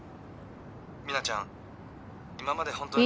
「ミナちゃん今まで本当に」